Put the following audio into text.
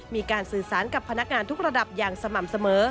มีการสื่อสารกับพนักงานทุกระดับอย่างสม่ำเสมอ